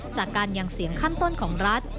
จากการยังเสียงขั้นต้นของรัฐ